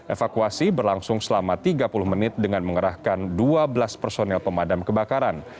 evakuasi berlangsung selama tiga puluh menit dengan mengerahkan dua belas personel pemadam kebakaran